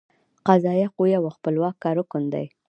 قضائیه قوه یو خپلواکه رکن دی.